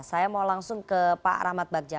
saya mau langsung ke pak rahmat bagja